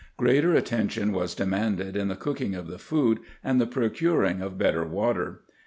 Greater attention was demanded in the cooking of the food and the procuring of better water.